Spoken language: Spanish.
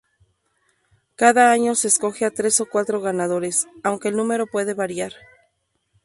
Cada año se escoge a tres o cuatro ganadores, aunque el número puede variar.